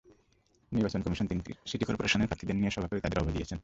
নির্বাচন কমিশন তিন সিটি করপোরেশনের প্রার্থীদের নিয়ে সভা করে তাঁদের অভয় দিয়েছেন।